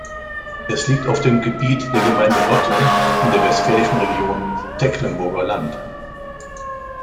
Es liegt auf dem Gebiet der Gemeinde Lotte in der westfälischen Region Tecklenburger Land.